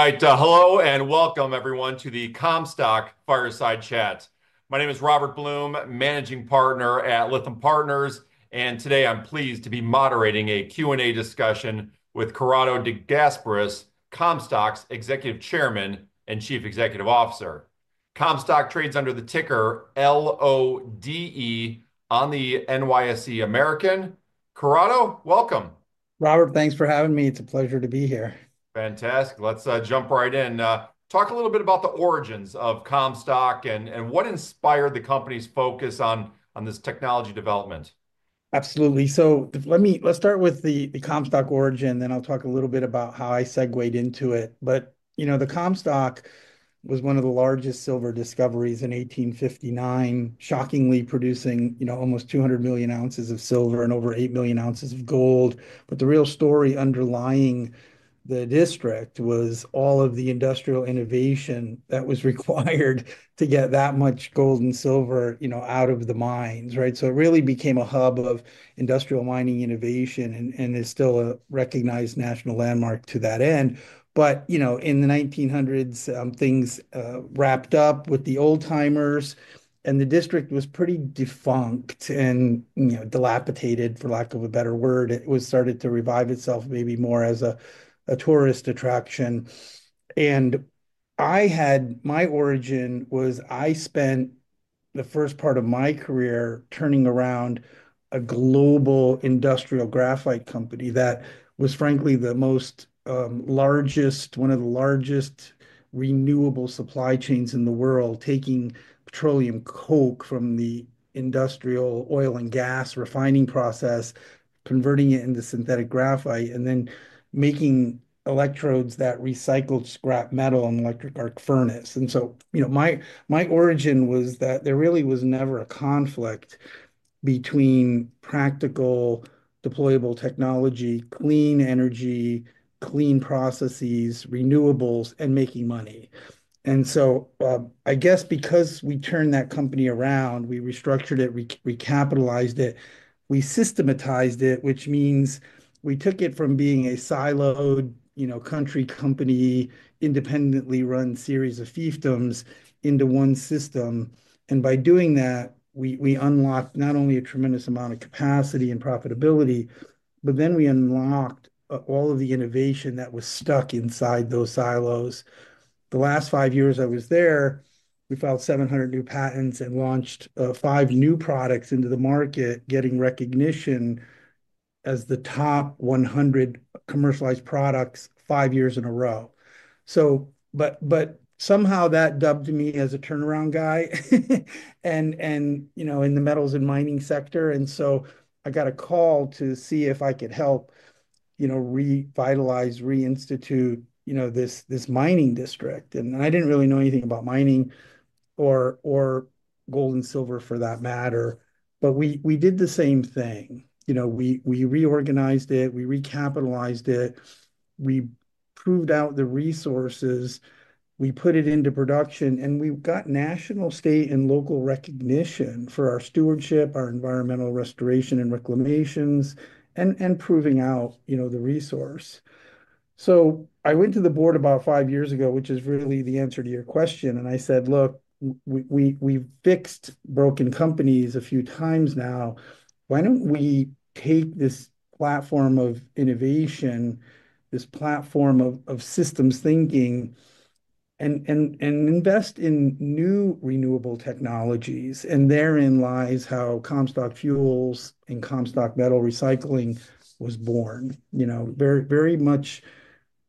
All right, hello and welcome, everyone, to the Comstock Fireside Chat. My name is Robert Blum, Managing Partner at Lytham Partners, and today I'm pleased to be moderating a Q&A discussion with Corrado De Gasperis, Comstock's Executive Chairman and Chief Executive Officer. Comstock trades under the ticker LODE on the NYSE American. Corrado, welcome. Robert, thanks for having me. It's a pleasure to be here. Fantastic. Let's jump right in. Talk a little bit about the origins of Comstock and what inspired the company's focus on this technology development. Absolutely. Let me start with the Comstock origin, then I'll talk a little bit about how I segued into it. The Comstock was one of the largest silver discoveries in 1859, shockingly producing almost 200 million oz of silver and over 8 million oz of gold. The real story underlying the district was all of the industrial innovation that was required to get that much gold and silver out of the mines. It really became a hub of industrial mining innovation and is still a recognized national landmark to that end. In the 1900s, things wrapped up with the old-timers, and the district was pretty defunct and dilapidated, for lack of a better word. It started to revive itself maybe more as a tourist attraction. My origin was I spent the first part of my career turning around a global industrial graphite company that was, frankly, the largest, one of the largest renewable supply chains in the world, taking petroleum coke from the industrial oil and gas refining process, converting it into synthetic graphite, and then making electrodes that recycled scrap metal in an electric arc furnace. My origin was that there really was never a conflict between practical, deployable technology, clean energy, clean processes, renewables, and making money. I guess because we turned that company around, we restructured it, recapitalized it, we systematized it, which means we took it from being a siloed country company, independently run series of fiefdoms into one system. By doing that, we unlocked not only a tremendous amount of capacity and profitability, but then we unlocked all of the innovation that was stuck inside those silos. The last five years I was there, we filed 700 new patents and launched five new products into the market, getting recognition as the top 100 commercialized products five years in a row. Somehow that dubbed me as a turnaround guy in the metals and mining sector. I got a call to see if I could help revitalize, reinstitute this mining district. I didn't really know anything about mining or gold and silver for that matter. We did the same thing. We reorganized it, we recapitalized it, we proved out the resources, we put it into production, and we got national, state, and local recognition for our stewardship, our environmental restoration and reclamations, and proving out the resource. I went to the board about five years ago, which is really the answer to your question. I said, "Look, we've fixed broken companies a few times now. Why don't we take this platform of innovation, this platform of systems thinking, and invest in new renewable technologies?" Therein lies how Comstock Fuels and Comstock Metal Recycling was born, very much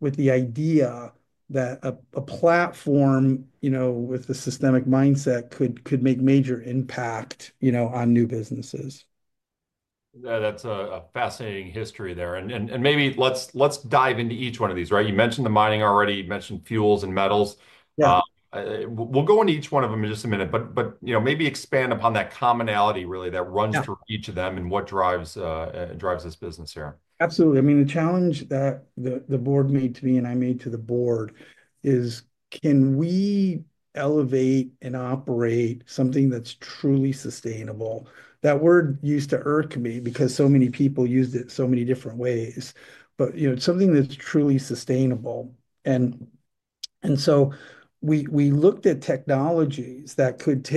with the idea that a platform with the systemic mindset could make major impact on new businesses. That's a fascinating history there. Maybe let's dive into each one of these. You mentioned the mining already. You mentioned fuels and metals. We'll go into each one of them in just a minute, but maybe expand upon that commonality really that runs through each of them and what drives this business here. Absolutely. I mean, the challenge that the board made to me and I made to the board is, can we elevate and operate something that's truly sustainable? That word used to irk me because so many people used it so many different ways, but something that's truly sustainable. I mean, we looked at technologies that could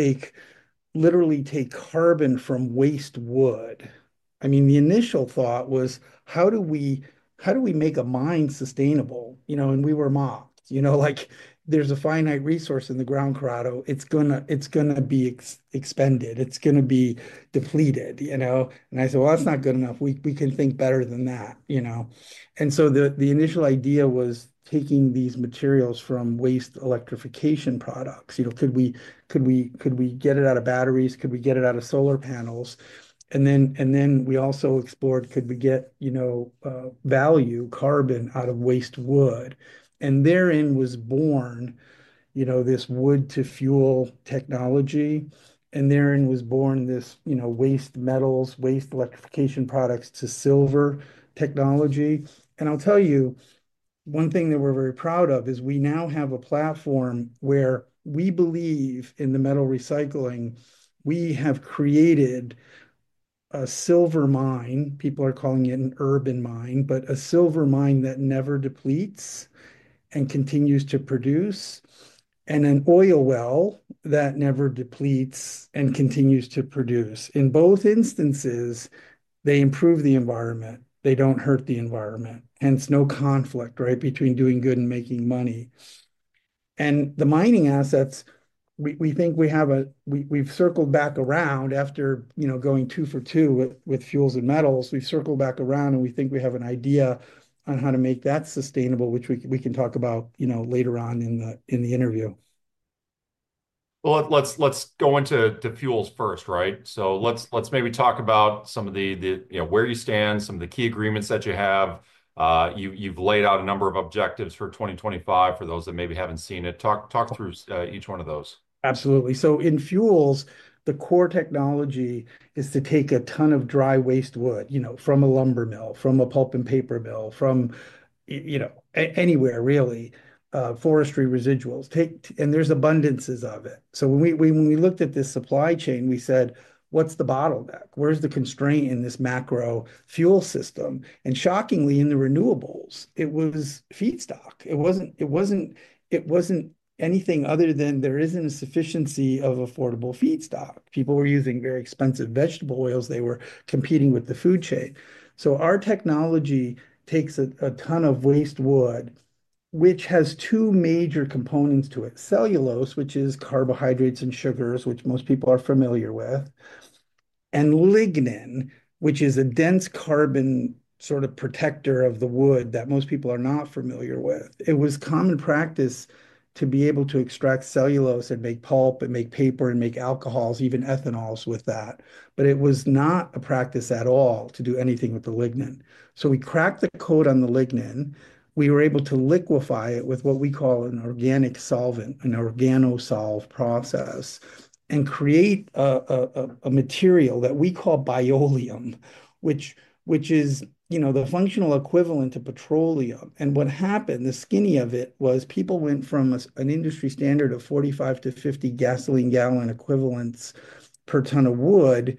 literally take carbon from waste wood. The initial thought was, how do we make a mine sustainable? We were mocked. There's a finite resource in the ground, Corrado. It's going to be expended. It's going to be depleted. I said, "That's not good enough. We can think better than that." The initial idea was taking these materials from waste electrification products. Could we get it out of batteries? Could we get it out of solar panels? We also explored, could we get value, carbon, out of waste wood? Therein was born this wood-to-fuel technology. Therein was born this waste metals, waste electrification products to silver technology. I'll tell you, one thing that we're very proud of is we now have a platform where we believe in the metal recycling. We have created a silver mine. People are calling it an urban mine, but a silver mine that never depletes and continues to produce, and an oil well that never depletes and continues to produce. In both instances, they improve the environment. They don't hurt the environment. Hence, no conflict between doing good and making money. The mining assets, we think we have a—we've circled back around after going two for two with fuels and metals. We've circled back around, and we think we have an idea on how to make that sustainable, which we can talk about later on in the interview. Let's go into fuels first, right? Maybe talk about some of the—where you stand, some of the key agreements that you have. You've laid out a number of objectives for 2025 for those that maybe haven't seen it. Talk through each one of those. Absolutely. In fuels, the core technology is to take a ton of dry waste wood from a lumber mill, from a pulp and paper mill, from anywhere, really, forestry residuals. There is abundance of it. When we looked at this supply chain, we said, "What's the bottleneck? Where's the constraint in this macro fuel system?" Shockingly, in the renewables, it was feedstock. It was not anything other than there is not a sufficiency of affordable feedstock. People were using very expensive vegetable oils. They were competing with the food chain. Our technology takes a ton of waste wood, which has two major components to it: cellulose, which is carbohydrates and sugars, which most people are familiar with, and lignin, which is a dense carbon sort of protector of the wood that most people are not familiar with. It was common practice to be able to extract cellulose and make pulp and make paper and make alcohols, even ethanols with that. It was not a practice at all to do anything with the lignin. We cracked the code on the lignin. We were able to liquefy it with what we call an organic solvent, an organosolv process, and create a material that we call Bioleum, which is the functional equivalent to petroleum. What happened, the skinny of it was people went from an industry standard of 45-50 gasoline-gallon equivalents per ton of wood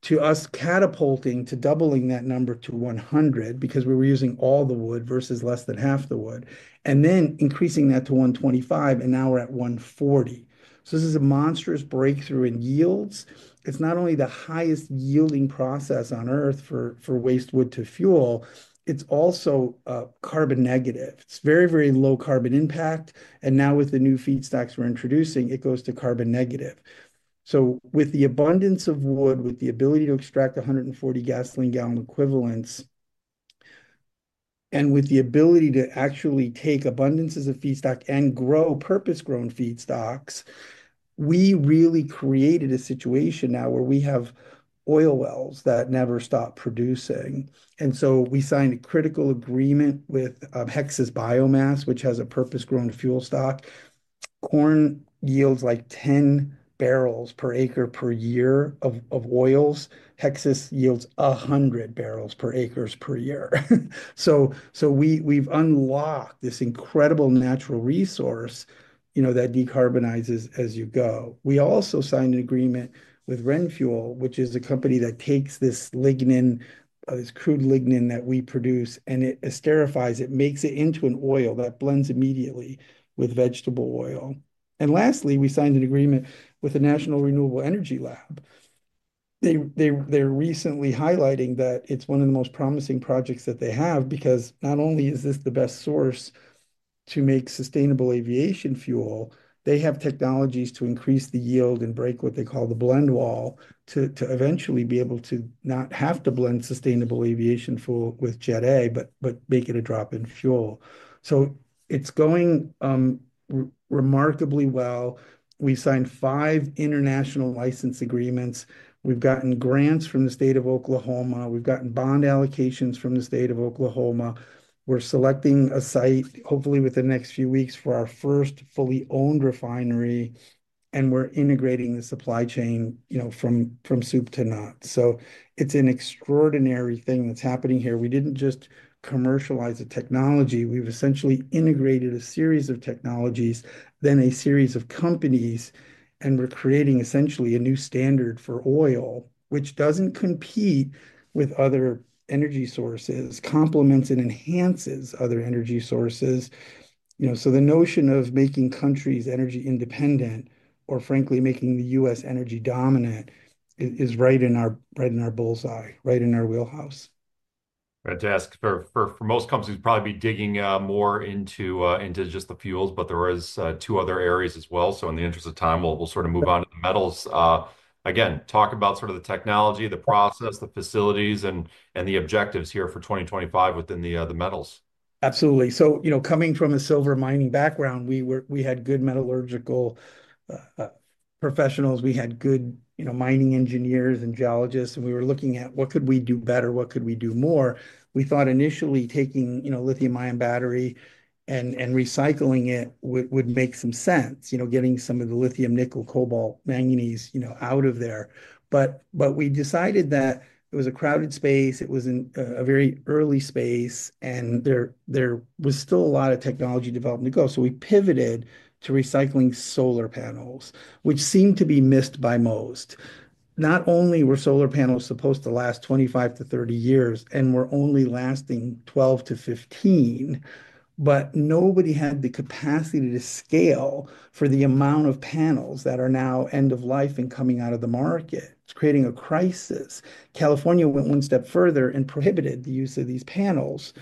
to us catapulting to doubling that number to 100 because we were using all the wood versus less than half the wood, and then increasing that to 125, and now we're at 140. This is a monstrous breakthrough in yields. It's not only the highest yielding process on earth for waste wood to fuel, it's also carbon negative. It's very, very low carbon impact. Now with the new feedstocks we're introducing, it goes to carbon negative. With the abundance of wood, with the ability to extract 140 gasoline-gallon equivalents, and with the ability to actually take abundances of feedstock and grow purpose-grown feedstocks, we really created a situation now where we have oil wells that never stop producing. We signed a critical agreement with Hexas Biomass, which has a purpose-grown fuel stock. Corn yields like 10 bbl per acre per year of oils. Hexas yields 100 bbl per acre per year. We've unlocked this incredible natural resource that decarbonizes as you go. We also signed an agreement with RenFuel, which is a company that takes this lignin, this crude lignin that we produce, and it esterifies it, makes it into an oil that blends immediately with vegetable oil. Lastly, we signed an agreement with the National Renewable Energy Lab. They're recently highlighting that it's one of the most promising projects that they have because not only is this the best source to make sustainable aviation fuel, they have technologies to increase the yield and break what they call the blend wall to eventually be able to not have to blend sustainable aviation fuel with Jet A, but make it a drop in fuel. It is going remarkably well. We signed five international license agreements. We've gotten grants from the state of Oklahoma. We've gotten bond allocations from the state of Oklahoma. We're selecting a site, hopefully within the next few weeks, for our first fully owned refinery, and we're integrating the supply chain from soup to nuts. It is an extraordinary thing that's happening here. We didn't just commercialize the technology. We've essentially integrated a series of technologies, then a series of companies, and we're creating essentially a new standard for oil, which doesn't compete with other energy sources, complements and enhances other energy sources. The notion of making countries energy independent or, frankly, making the U.S. energy dominant is right in our bullseye, right in our wheelhouse. Fantastic. For most companies, we'd probably be digging more into just the fuels, but there are two other areas as well. In the interest of time, we'll sort of move on to the metals. Again, talk about sort of the technology, the process, the facilities, and the objectives here for 2025 within the metals. Absolutely. Coming from a silver mining background, we had good metallurgical professionals. We had good mining engineers and geologists. We were looking at what could we do better, what could we do more. We thought initially taking lithium-ion battery and recycling it would make some sense, getting some of the lithium, nickel, cobalt, manganese out of there. We decided that it was a crowded space. It was a very early space. There was still a lot of technology development to go. We pivoted to recycling solar panels, which seemed to be missed by most. Not only were solar panels supposed to last 25-30 years, and were only lasting 12-15 years, but nobody had the capacity to scale for the amount of panels that are now end of life and coming out of the market. It's creating a crisis. California went one step further and prohibited the use of these panels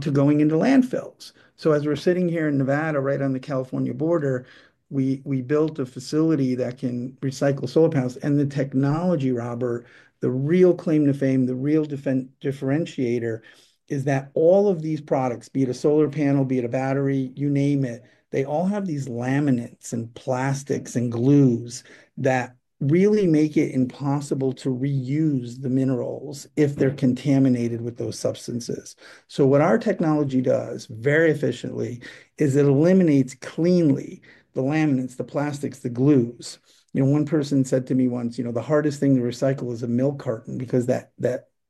to going into landfills. As we're sitting here in Nevada, right on the California border, we built a facility that can recycle solar panels. The technology, Robert, the real claim to fame, the real differentiator is that all of these products, be it a solar panel, be it a battery, you name it, they all have these laminates and plastics and glues that really make it impossible to reuse the minerals if they're contaminated with those substances. What our technology does very efficiently is it eliminates cleanly the laminates, the plastics, the glues. One person said to me once, "The hardest thing to recycle is a milk carton because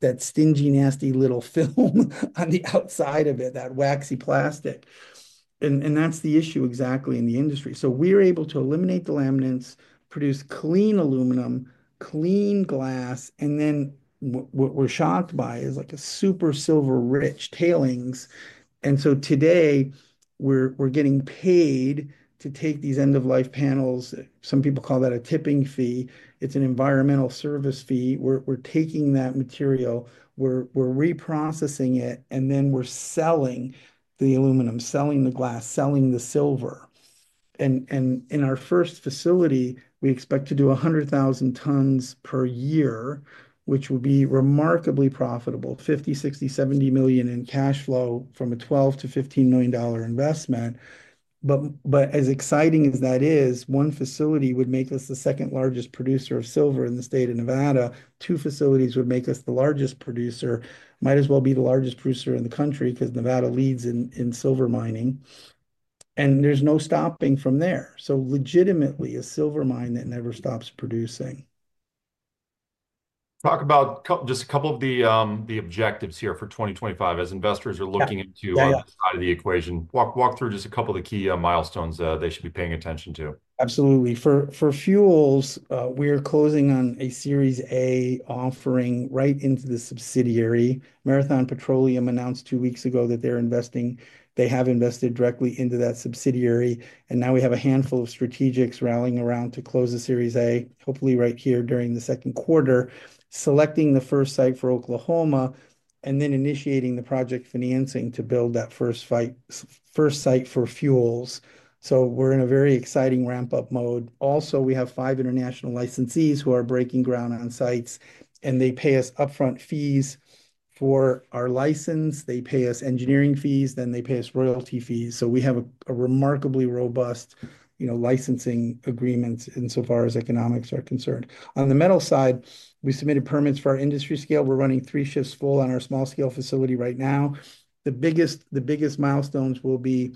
that stingy, nasty little film on the outside of it, that waxy plastic." That's the issue exactly in the industry. We're able to eliminate the laminates, produce clean aluminum, clean glass. What we're shocked by is like a super silver-rich tailings. Today, we're getting paid to take these end-of-life panels. Some people call that a tipping fee. It's an environmental service fee. We're taking that material. We're reprocessing it. We're selling the aluminum, selling the glass, selling the silver. In our first facility, we expect to do 100,000 tons per year, which would be remarkably profitable, $50 million, $60 million, $70 million in cash flow from a $12 million-$15 million investment. As exciting as that is, one facility would make us the second largest producer of silver in the state of Nevada. Two facilities would make us the largest producer. Might as well be the largest producer in the country because Nevada leads in silver mining. There is no stopping from there. Legitimately, a silver mine that never stops producing. Talk about just a couple of the objectives here for 2025 as investors are looking into the equation. Walk through just a couple of the key milestones they should be paying attention to. Absolutely. For fuels, we are closing on a Series A offering right into the subsidiary. Marathon Petroleum announced two weeks ago that they're investing. They have invested directly into that subsidiary. Now we have a handful of strategics rallying around to close the Series A, hopefully right here during the second quarter, selecting the first site for Oklahoma, and initiating the project financing to build that first site for fuels. We are in a very exciting ramp-up mode. Also, we have five international licensees who are breaking ground on sites. They pay us upfront fees for our license. They pay us engineering fees. They pay us royalty fees. We have a remarkably robust licensing agreement insofar as economics are concerned. On the metal side, we submitted permits for our industry scale. We are running three shifts full on our small-scale facility right now. The biggest milestones will be,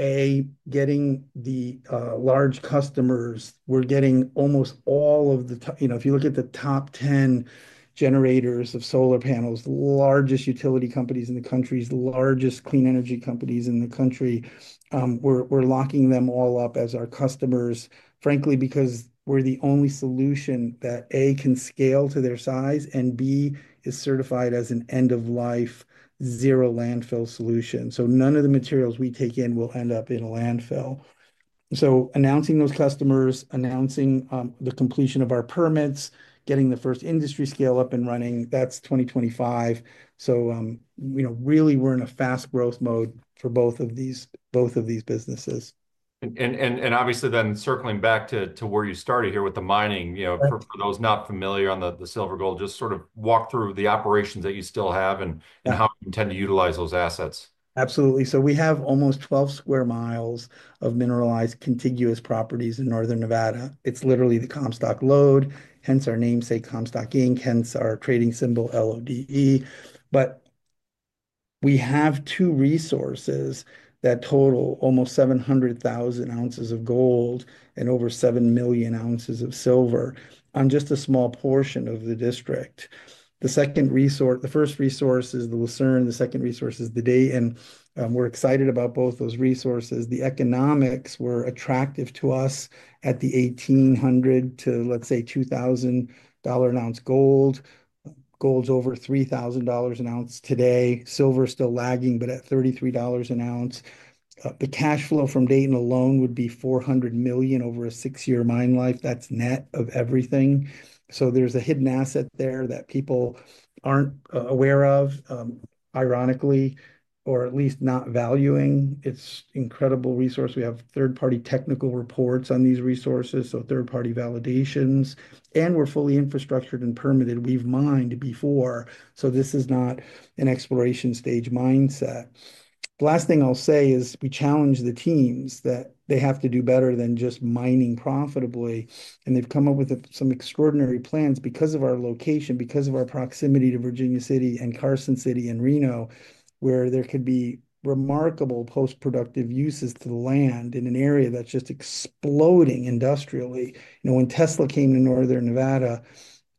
A, getting the large customers. We're getting almost all of the—if you look at the top 10 generators of solar panels, the largest utility companies in the country, the largest clean energy companies in the country, we're locking them all up as our customers, frankly, because we're the only solution that, A, can scale to their size, and B, is certified as an end-of-life, zero-landfill solution. None of the materials we take in will end up in a landfill. Announcing those customers, announcing the completion of our permits, getting the first industry scale up and running, that's 2025. Really, we're in a fast growth mode for both of these businesses. Obviously, then circling back to where you started here with the mining, for those not familiar on the silver gold, just sort of walk through the operations that you still have and how you intend to utilize those assets. Absolutely. We have almost 12 sq mi of mineralized contiguous properties in northern Nevada. It is literally the Comstock Lode, hence our namesake, Comstock Inc, hence our trading symbol, LODE. We have two resources that total almost 700,000 oz of gold and over 7 million oz of silver on just a small portion of the district. The first resource is the Lucerne. The second resource is the Dayton. We are excited about both those resources. The economics were attractive to us at the $1,800 to, let's say, $2,000 an oz gold. Gold is over $3,000 an oz today. Silver is still lagging, but at $33 an oz. The cash flow from Dayton alone would be $400 million over a six-year mine life. That is net of everything. There is a hidden asset there that people are not aware of, ironically, or at least not valuing. It is an incredible resource. We have third-party technical reports on these resources, so third-party validations. We are fully infrastructured and permitted. We have mined before. This is not an exploration-stage mindset. The last thing I will say is we challenge the teams that they have to do better than just mining profitably. They have come up with some extraordinary plans because of our location, because of our proximity to Virginia City and Carson City and Reno, where there could be remarkable post-productive uses to the land in an area that is just exploding industrially. When Tesla came to northern Nevada,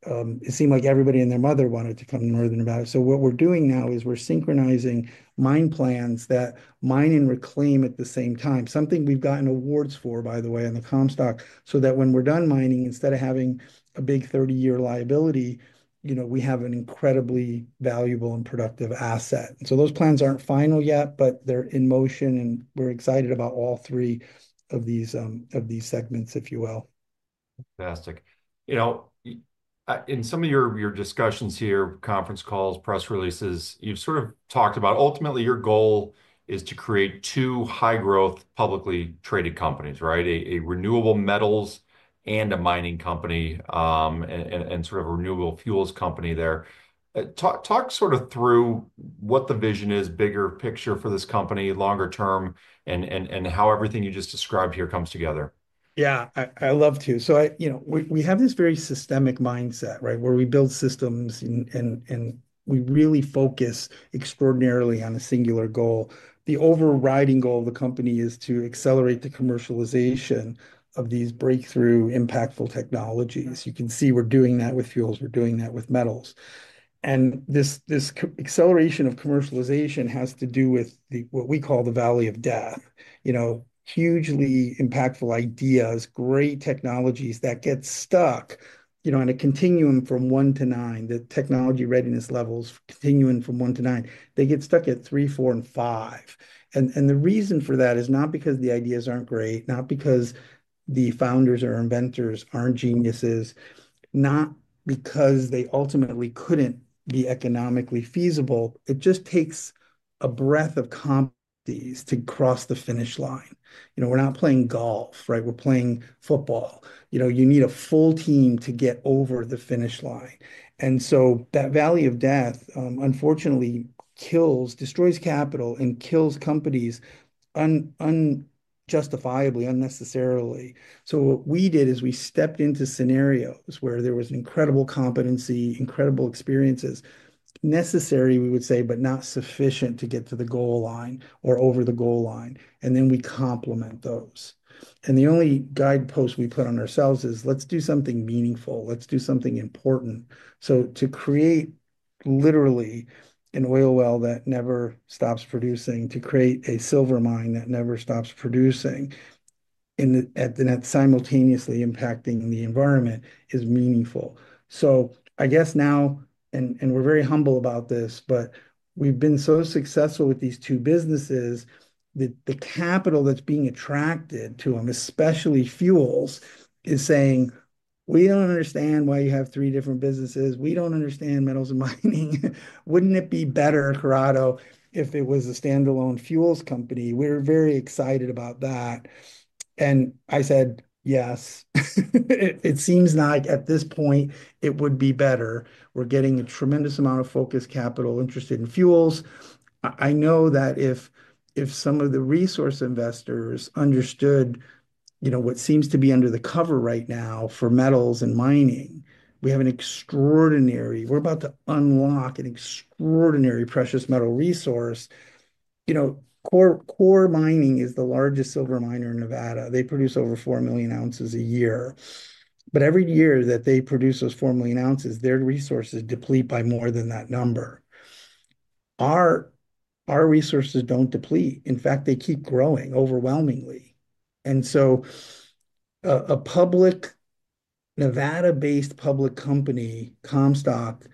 it seemed like everybody and their mother wanted to come to northern Nevada. What we're doing now is we're synchronizing mine plans that mine and reclaim at the same time, something we've gotten awards for, by the way, on the Comstock, so that when we're done mining, instead of having a big 30-year liability, we have an incredibly valuable and productive asset. Those plans aren't final yet, but they're in motion. We're excited about all three of these segments, if you will. Fantastic. In some of your discussions here, conference calls, press releases, you've sort of talked about ultimately your goal is to create two high-growth publicly traded companies, right? A renewable metals and a mining company and sort of a renewable fuels company there. Talk sort of through what the vision is, bigger picture for this company, longer term, and how everything you just described here comes together. Yeah, I'd love to. We have this very systemic mindset, right, where we build systems, and we really focus extraordinarily on a singular goal. The overriding goal of the company is to accelerate the commercialization of these breakthrough, impactful technologies. You can see we're doing that with fuels. We're doing that with metals. This acceleration of commercialization has to do with what we call the valley of death. Hugely impactful ideas, great technologies that get stuck on a continuum from one to nine, the technology readiness levels continuing from one to nine, they get stuck at three, four, and five. The reason for that is not because the ideas aren't great, not because the founders or inventors aren't geniuses, not because they ultimately couldn't be economically feasible. It just takes a breadth of companies to cross the finish line. We're not playing golf, right? We're playing football. You need a full team to get over the finish line. That valley of death, unfortunately, kills, destroys capital, and kills companies unjustifiably, unnecessarily. What we did is we stepped into scenarios where there was incredible competency, incredible experiences necessary, we would say, but not sufficient to get to the goal line or over the goal line. We complement those. The only guidepost we put on ourselves is, let's do something meaningful. Let's do something important. To create literally an oil well that never stops producing, to create a silver mine that never stops producing, and that's simultaneously impacting the environment is meaningful. I guess now, and we're very humble about this, but we've been so successful with these two businesses that the capital that's being attracted to them, especially fuels, is saying, "We don't understand why you have three different businesses. We don't understand metals and mining. Wouldn't it be better, Corrado, if it was a standalone fuels company? We're very excited about that. I said, "Yes." It seems like at this point, it would be better. We're getting a tremendous amount of focused capital interested in fuels. I know that if some of the resource investors understood what seems to be under the cover right now for metals and mining, we have an extraordinary—we're about to unlock an extraordinary precious metal resource. Coeur Mining is the largest silver miner in Nevada. They produce over 4 million oz a year. Every year that they produce those 4 million oz, their resources deplete by more than that number. Our resources don't deplete. In fact, they keep growing overwhelmingly. A public Nevada-based public company, Comstock,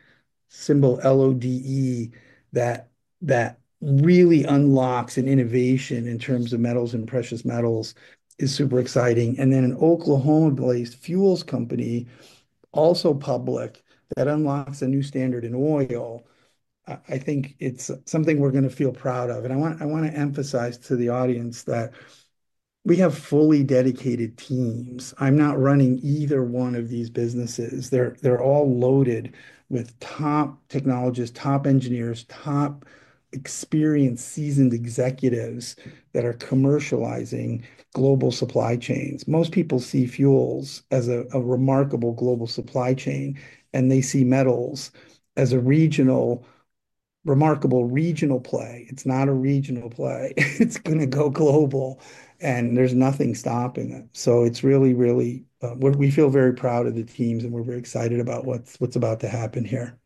symbol LODE, that really unlocks an innovation in terms of metals and precious metals is super exciting. An Oklahoma-based fuels company, also public, that unlocks a new standard in oil, I think it's something we're going to feel proud of. I want to emphasize to the audience that we have fully dedicated teams. I'm not running either one of these businesses. They're all loaded with top technologists, top engineers, top experienced seasoned executives that are commercializing global supply chains. Most people see fuels as a remarkable global supply chain, and they see metals as a remarkable regional play. It's not a regional play. It's going to go global, and there's nothing stopping it. It's really, really—we feel very proud of the teams, and we're very excited about what's about to happen here.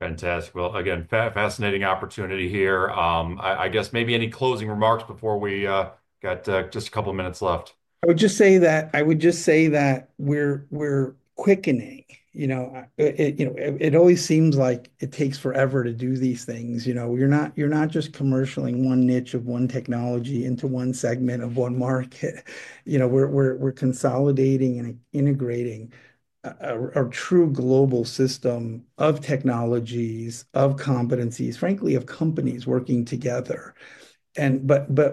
Fantastic. Again, fascinating opportunity here. I guess maybe any closing remarks before we got just a couple of minutes left? I would just say that we're quickening. It always seems like it takes forever to do these things. You're not just commercializing one niche of one technology into one segment of one market. We're consolidating and integrating a true global system of technologies, of competencies, frankly, of companies working together.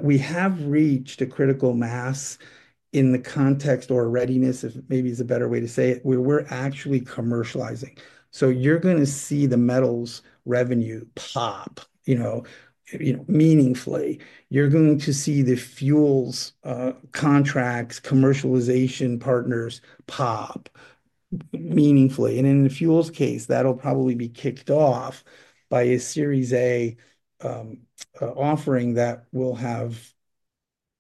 We have reached a critical mass in the context or readiness, if maybe is a better way to say it, where we're actually commercializing. You're going to see the metals revenue pop meaningfully. You're going to see the fuels contracts, commercialization partners pop meaningfully. In the fuels case, that'll probably be kicked off by a Series A offering that will have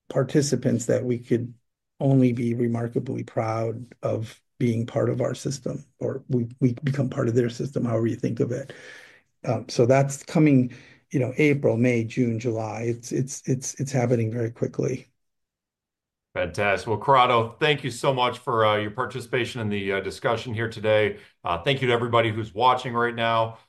participants that we could only be remarkably proud of being part of our system or we become part of their system, however you think of it. That's coming April, May, June, July. It's happening very quickly. Fantastic. Corrado, thank you so much for your participation in the discussion here today. Thank you to everybody who's watching right now.